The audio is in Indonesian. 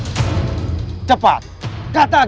mereka sudah berhasil mencari kian santang